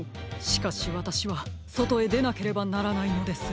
しかしわたしはそとへでなければならないのです。